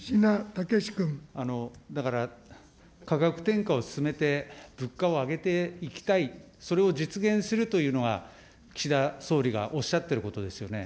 だから価格転嫁を進めて、物価を上げていきたい、それを実現するというのが岸田総理がおっしゃっていることですよね。